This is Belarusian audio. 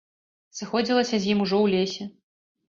Сыходзілася з ім ужо ў лесе.